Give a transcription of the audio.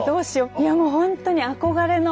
いやもうほんとに憧れの。